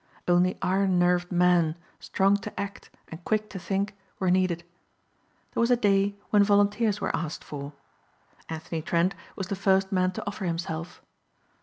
Only iron nerved men, strong to act and quick to think, were needed. There was a day when volunteers were asked for. Anthony Trent was the first man to offer himself.